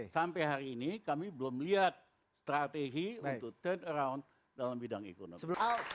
sampai hari ini kami belum lihat strategi untuk turn around dalam bidang ekonomi